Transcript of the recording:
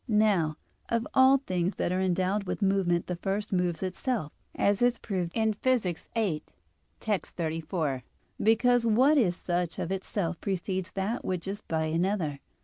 Now, of all things that are endowed with movement the first moves itself, as is proved in Phys. viii, text. 34, because, what is such of itself precedes that which is by another.